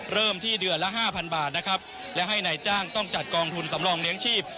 เริ่มที่เดือนละห้าพันบาทนะครับและให้นายจ้างต้องจัดกองทุนสำรองเลี้ยงชีพ